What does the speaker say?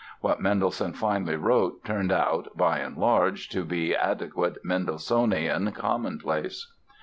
What Mendelssohn finally wrote turned out, by and large, to be adequate Mendelssohnian commonplace.